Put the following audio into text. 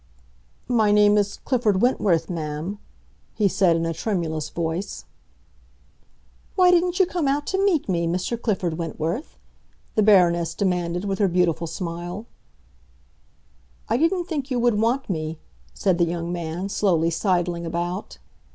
"My name is Clifford Wentworth, ma'am," he said in a tremulous voice. "Why didn't you come out to meet me, Mr. Clifford Wentworth?" the Baroness demanded, with her beautiful smile. "I didn't think you would want me," said the young man, slowly sidling about.